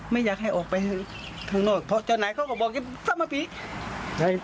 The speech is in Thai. ไม่อยากให้ออกไปทางนรกเจ้าหน้าก็บอกยังตามมามี